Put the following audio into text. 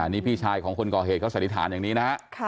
นี่พี่ชายของคนก่อเหตุเขาสันนิษฐานอย่างนี้นะฮะ